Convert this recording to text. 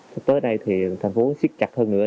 sắp tới đây thì thành phố xích chặt hơn nữa